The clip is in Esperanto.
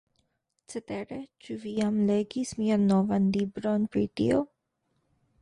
Cetere, ĉu vi jam legis mian novan libron pri tio?